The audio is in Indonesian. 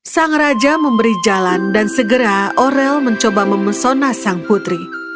sang raja memberi jalan dan segera orel mencoba memesona sang putri